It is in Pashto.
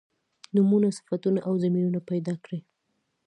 نومونه صفتونه او ضمیرونه پیدا کړي.